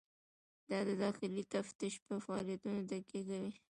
دا د داخلي تفتیش په فعالیتونو تکیه کوي.